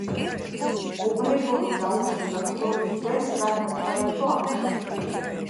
ობრეგონი დაუბრუნდა ბრძოლის ველს, რათა ჩაეხშო ამბოხი.